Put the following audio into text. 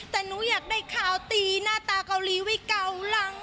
แต่หนูอยากได้ข่าวตีหน้าตาเกาหลีไว้เก่าหลัง